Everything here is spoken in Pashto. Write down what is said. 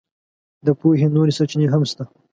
د پوهې نورې سرچینې هم شته.